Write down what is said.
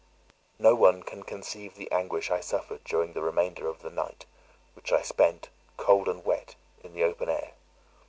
No one can conceive the anguish I suffered during the remainder of the night, which I spent, cold and wet, in the open air.